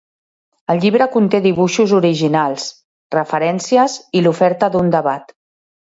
El llibre conté dibuixos originals, referències i l'oferta d'un debat.